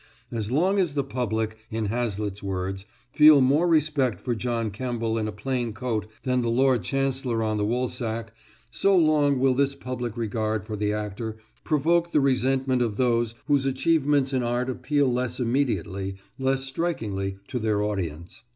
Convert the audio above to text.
As long as the public, in Hazlitt's words, feel more respect for John Kemble in a plain coat than the Lord Chancellor on the Woolsack, so long will this public regard for the actor provoke the resentment of those whose achievements in art appeal less immediately, less strikingly, to their audience.